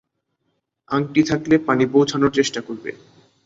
আংটি থাকলে পানি পৌঁছানোর চেষ্টা করবে।